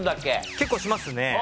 結構しますね。